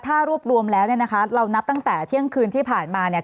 ถ้ารวบรวมแล้วเนี่ยนะคะเรานับตั้งแต่เที่ยงคืนที่ผ่านมาเนี่ย